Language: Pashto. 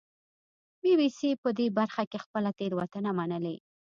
بي بي سي په دې برخه کې خپله تېروتنه منلې